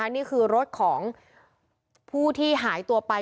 นี่คือรถของผู้ที่หายตัวไป